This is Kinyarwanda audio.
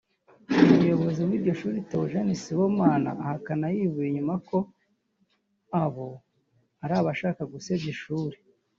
Umuyobozi w’iryo shuri Theogene Sibomana ahakana yivuye inyuma ko abo ari abashaka gusebya ishuri